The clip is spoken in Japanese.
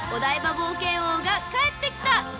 冒険王が帰ってきた］